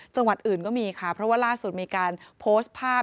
จังหวัดอื่นก็มีค่ะเพราะว่าล่าสุดมีการโพสต์ภาพ